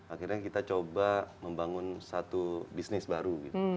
akhirnya kita coba membangun satu bisnis baru